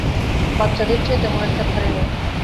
বাচ্চাদের চেয়ে তেমন একটা ভারী নয়।